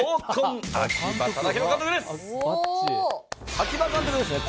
秋葉監督はですね